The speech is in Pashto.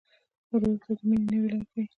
ورور ته د مینې نوې لاره ښيي.